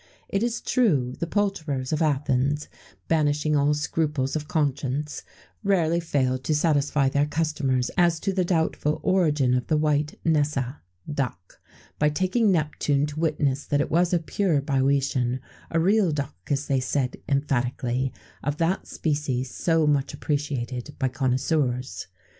It is true the poulterers of Athens, banishing all scruples of conscience, rarely failed to satisfy their customers as to the doubtful origin of a white nêssa (duck), by taking Neptune to witness that it was a pure Bœotian, a real duck, as they said emphatically, of that species so much appreciated by connoisseurs.